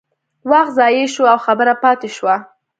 وخت ضایع شو او خبره پاتې شوه.